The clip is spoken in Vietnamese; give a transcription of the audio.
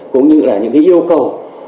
cũng như là những cái yêu cầu